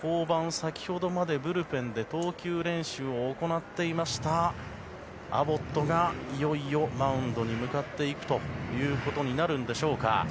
先ほどまでブルペンで投球練習を行っていたアボットがいよいよマウンドに向かっていくということになるんでしょうか。